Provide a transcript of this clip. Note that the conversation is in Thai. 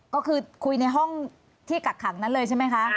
ก็คือคุยในห้องที่กักขังนั้นเลยใช่ไหมคะ